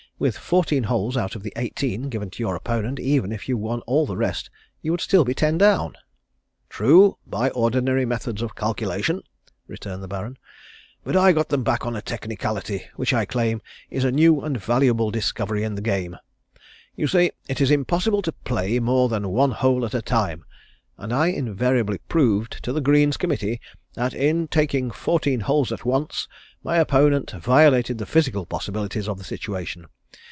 With fourteen holes out of the eighteen given to your opponent even if you won all the rest you still would be ten down." "True, by ordinary methods of calculation," returned the Baron, "but I got them back on a technicality, which I claim is a new and valuable discovery in the game. You see it is impossible to play more than one hole at a time, and I invariably proved to the Greens Committee that in taking fourteen holes at once my opponent violated the physical possibilities of the situation.